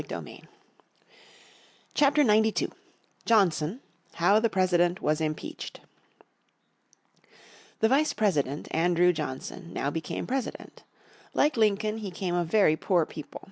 __________ Chapter 92 Johnson How The President Was Impeached The Vice President, Andrew Johnson, now became President. Like Lincoln, he came of very poor people.